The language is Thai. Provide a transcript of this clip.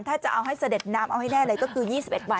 ถ้าจะเอาให้เสด็จน้ำเอาให้แน่เลยก็คือ๒๑บาท